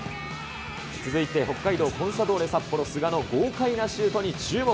続いて、北海道コンサドーレ札幌、菅の豪快なシュートに注目。